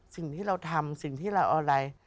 สิ่งที่เราทำสิ่งที่เราเอาอะไร